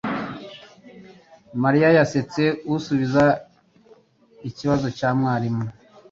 Mariya yasetse asubiza ikibazo cya mwarimu